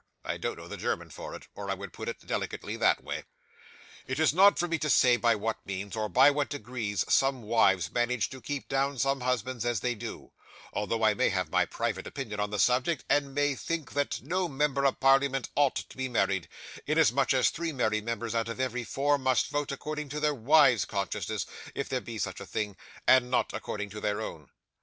I don't know the German for it, or I would put it delicately that way. 'It is not for me to say by what means, or by what degrees, some wives manage to keep down some husbands as they do, although I may have my private opinion on the subject, and may think that no Member of Parliament ought to be married, inasmuch as three married members out of every four, must vote according to their wives' consciences (if there be such things), and not according to their own.